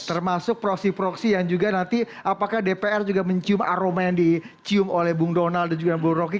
termasuk proksi proksi yang juga nanti apakah dpr juga mencium aroma yang dicium oleh bung donald dan juga bung roky